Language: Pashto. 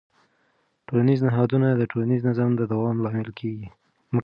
ټولنیز نهادونه د ټولنیز نظم د دوام لامل کېږي.